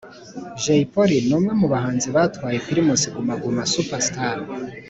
Jay polly numwe mu bahanzi batwaye primus guma guma super star